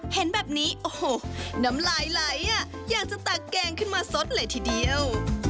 เห็นแบบนี้โอ้โหน้ำลายไหลอ่ะอยากจะตักแกงขึ้นมาสดเลยทีเดียว